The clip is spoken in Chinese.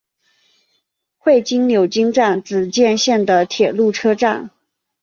会津柳津站只见线的铁路车站。